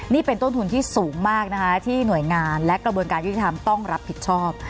นี่เป็นต้นทุนที่สูงมากนะคะที่หน่วยงานและกระบวนการยุติธรรมต้องรับผิดชอบ